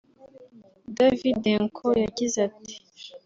Davydenko yagize ati